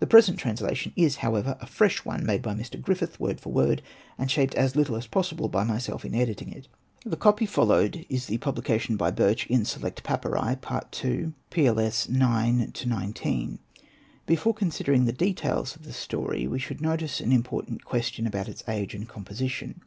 The present translation is, however, a fresh one made by Mr. Griffith word for word, and shaped as little as possible by myself in editing it. The copy followed is the publica tion by Birch in " Select Papyri," part ii. pis. ix. to xix. Before considering the details of the story, we should notice an important question about its age and composition.